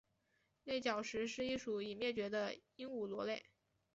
内角石是一属已灭绝的鹦鹉螺类。